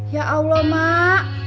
ya allah mak